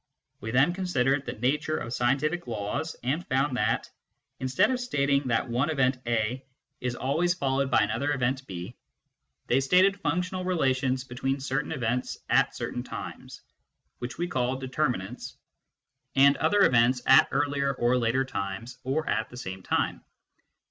We then considered the nature of scientific laws, and found , instead of stating that one event A is always followed ao8 MYSTICISM AND LOGIC by another event B, they stated functional relations between certain events at certain times, which we called determinants, and other events at earlier or later times or at the same time.